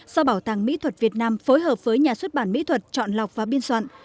do bảo tàng mỹ thuật việt nam phối hợp với nhà xuất bản mỹ thuật chọn lọc và biên soạn